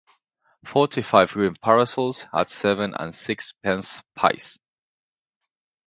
Forty-five green parasols, at seven and sixpence a-piece.